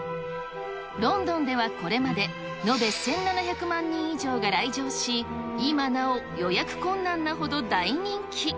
ロンドンではこれまで、延べ１７００万人以上が来場し、今なお予約困難なほど大人気。